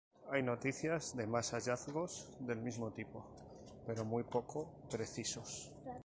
Hay noticias de más hallazgos del mismo tipo, pero muy poco precisos.